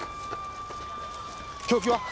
凶器は？